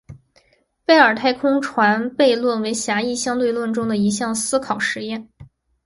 贝尔太空船悖论为狭义相对论中的一项思考实验。